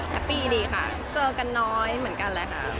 ปีดีค่ะเจอกันน้อยเหมือนกันแหละค่ะ